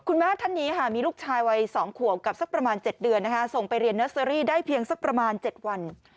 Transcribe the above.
คุณแม่ท่านนี้ค่ะมีลูกชายวัย๒ขวบกับสักประมาณ๗เดือนส่งไปเรียนเนอร์เซอรี่ได้เพียงสักประมาณ๗วัน